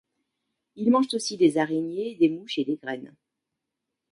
Ils mangent aussi des araignées, des mouches et des graines.